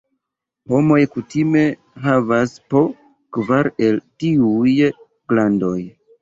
Homoj kutime havas po kvar el tiuj glandoj.